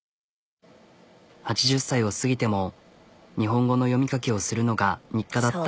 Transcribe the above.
８０歳を過ぎても日本語の読み書きをするのが日課だった。